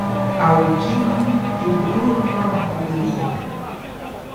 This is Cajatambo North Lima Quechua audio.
Awkinmi tukrunwan puriykan.